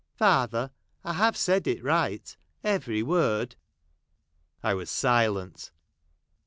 Father, I have said it right. — every word." I Avas silent.